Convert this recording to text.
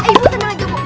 ibu tenang aja bu